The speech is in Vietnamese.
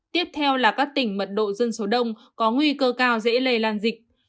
tiếp theo là các tỉnh mật độ dân số đông có nguy cơ cao dễ lề làn dịch